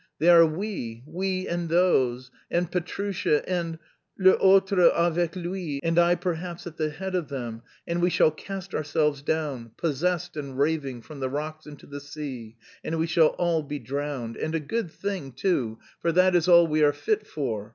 They are we, we and those... and Petrusha and les autres avec lui... and I perhaps at the head of them, and we shall cast ourselves down, possessed and raving, from the rocks into the sea, and we shall all be drowned and a good thing too, for that is all we are fit for.